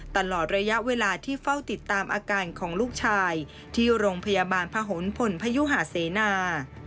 ตลอดระยะเวลาที่เฝ้าติดตามอาการของลูกชายที่โรงพยาบาลพะหนพลพยุหาเสนา